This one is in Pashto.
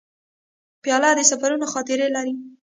پیاله د سفرونو خاطره لري.